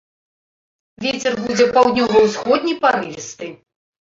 Вецер будзе паўднёва-ўсходні парывісты.